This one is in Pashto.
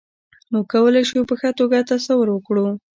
موږ کولای شو په ښه توګه تصور وکړو.